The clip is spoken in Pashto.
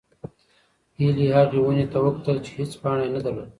هیلې هغې ونې ته وکتل چې هېڅ پاڼه یې نه درلوده.